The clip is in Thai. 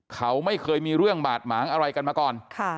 เขาไม่เคยมีเรื่องบาดหมางอะไรกันมาก่อน